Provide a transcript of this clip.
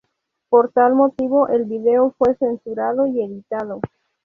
Por tal motivo el video fue censurado y editado.